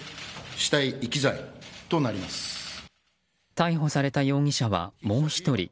逮捕された容疑者はもう１人。